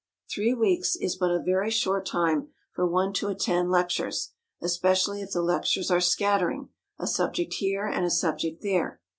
Three weeks is but a very short time for one to attend lectures, especially if the lectures are scattering, a subject here and a subject there.